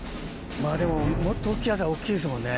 まぁでももっと大っきいやつは大っきいですもんね。